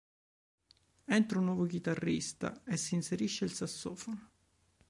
Entra un nuovo chitarrista e si inserisce il sassofono.